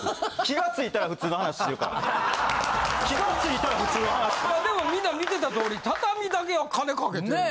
・気が付いたら普通の話・でもみんな見てた通り畳だけは金かけてる。